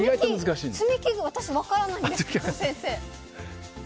積み木、私分からないんですけど、先生。